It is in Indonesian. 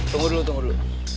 tunggu dulu tunggu dulu